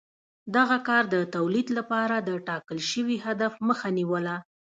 دغه کار د تولید لپاره د ټاکل شوي هدف مخه نیوله